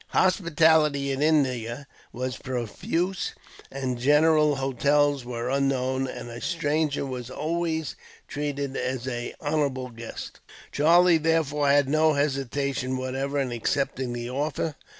Hospitality in India was profuse, and general. Hotels were unknown, and a stranger was always treated as an honored guest. Charlie, therefore, had no hesitation whatever in accepting the offer.